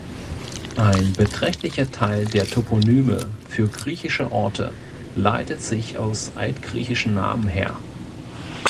Ein beträchtlicher Teil der Toponyme für griechische Orte leitet sich aus altgriechischen Namen her.